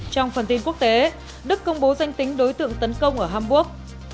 trong phần tin quốc tế đức công bố danh tính đối tượng tấn công ở hàm quốc